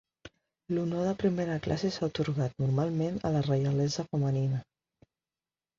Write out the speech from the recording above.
L'honor de primera classe s'ha atorgat normalment a la reialesa femenina.